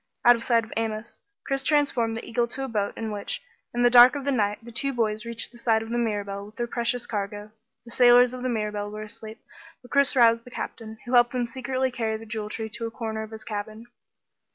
Out of sight of Amos, Chris transformed the eagle to a boat in which, in the dark of the night, the two boys reached the side of the Mirabelle with their precious cargo. The sailors of the Mirabelle were asleep, but Chris roused the Captain, who helped them secretly carry the Jewel Tree to a corner of his cabin.